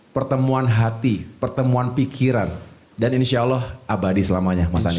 pertemuan hati pertemuan pikiran dan insya allah abadi selamanya mas ani